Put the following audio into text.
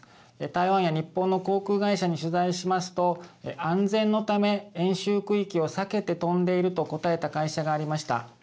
台湾や日本の航空会社に取材しますと安全のため演習区域を避けて飛んでいると答えた会社がありました。